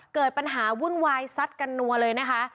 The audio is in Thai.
เกิดปัญหาวุ่นวายซัดกันนัวเลยนะคะ